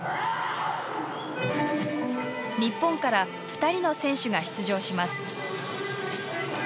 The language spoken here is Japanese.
日本から２人の選手が出場します。